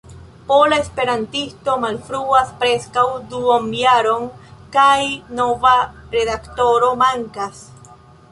Pola Esperantisto malfruas preskaŭ duonjaron, kaj nova redaktoro mankas.